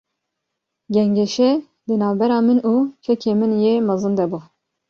Gengeşe, di navbera min û kekê min yê mezin de bû